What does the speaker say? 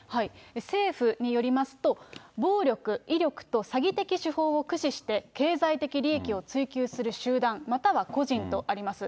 政府によりますと、暴力、威力と詐欺的手法を駆使して経済的利益を追求する集団、または個人とあります。